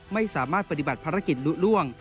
ไม่สามารถปฏิบัติภารกิจลุล่วง